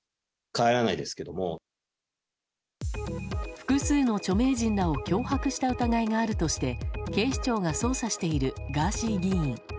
複数の著名人らを脅迫した疑いがあるとして警視庁が捜査しているガーシー議員。